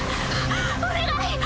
お願い！